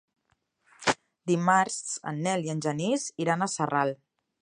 Dimarts en Nel i en Genís iran a Sarral.